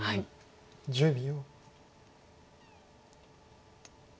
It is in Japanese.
１０秒。